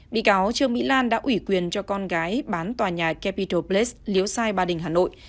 bị cáo trương mỹ lan đã ủy quyền cho con gái bán tòa nhà capital place liếu sai ba đình hà nội